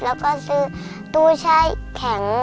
แล้วก็ซื้อตู้แช่แข็ง